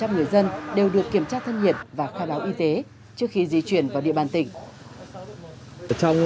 một trăm linh người dân đều được kiểm tra thân nhiệt và khai báo y tế trước khi di chuyển vào địa bàn tỉnh